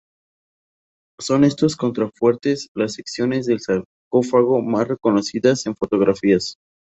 Son estos contrafuertes las secciones del Sarcófago más reconocidas en fotografías.